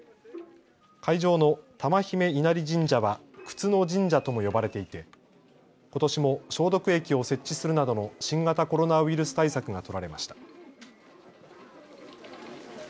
会場の玉姫稲荷神社は、くつの神社とも呼ばれていて、ことしも消毒液を設置するなどの新型コロナウイルス対策が取られました。